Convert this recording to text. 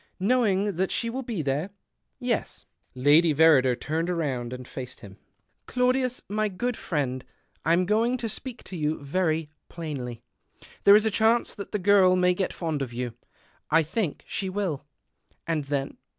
" Knowing that she will be there ?"" Yes." Lady Verrider turned round and faced him. THE OCTAVE OF CLAUDIUS. 177 " Claudius, my good friend, I'm going to speak to you very plainly. There is a chance that the girl may get fond of you. I think she will. And then